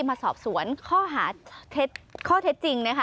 มาสอบสวนข้อเท็จจริง